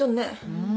うん。